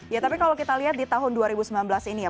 ya tapi kalau kita lihat di tahun dua ribu sembilan belas ini ya